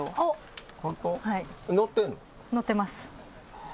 乗ってます。